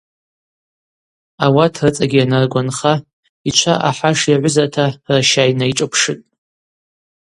Ауат рыцӏагьи йанаргванха йчва ахӏаш йагӏвызата раща йнайшӏапшытӏ.